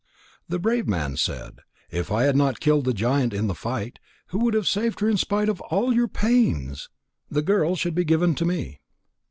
The brave man said: "If I had not killed the giant in the fight, who would have saved her in spite of all your pains? The girl should be given to me."